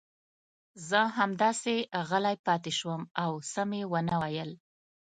زه همداسې غلی پاتې شوم او څه مې ونه ویل.